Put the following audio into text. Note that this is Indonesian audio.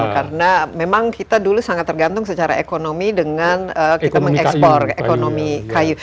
karena memang kita dulu sangat tergantung secara ekonomi dengan kita mengekspor ekonomi kayu